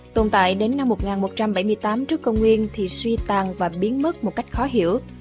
tồn tại đến năm một nghìn một trăm bảy mươi tám trước công nguyên thì suy tàn và biến mất một cách khó hiểu